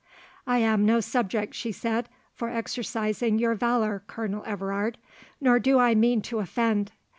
"I am no subject," she said, "for exercising your valour, Colonel Everard, nor do I mean to offend.